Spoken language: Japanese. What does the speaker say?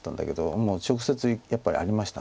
もう直接やっぱりありました